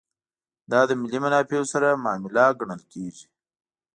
دا د ملي منافعو سره معامله ګڼل کېږي.